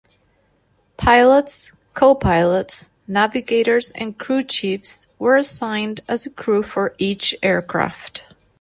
Pilots, co-pilots, navigators and crew chiefs were assigned as a crew for each aircraft.